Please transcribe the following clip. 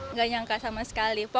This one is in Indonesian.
nggak nyangka sama sekali